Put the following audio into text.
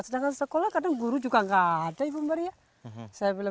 sedangkan sekolah kadang guru juga nggak ada ibu maria